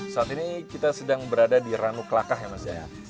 saat ini kita sedang berada di ranu kelakah ya mas ya